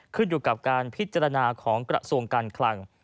ขึ้นอยู่กับการพิจารณาของกระทรวงการคลัง